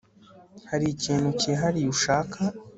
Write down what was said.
Hari ikintu cyihariye ushaka